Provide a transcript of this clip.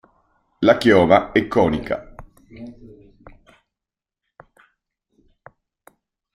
La chioma è conica.